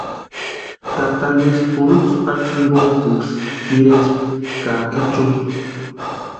Tata Luisi purhu tsïpata jinkontkusï tʼirempti ka echutʼa.